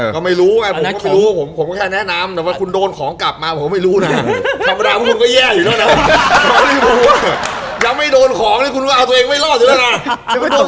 ก็ไม่รู้ไงผมก็แค่แนะนำแต่ว่าคุณโดนของกลับมาผมไม่รู้น่ะ